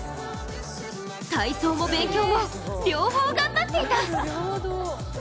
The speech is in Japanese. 体操も勉強も、両方頑張っていた！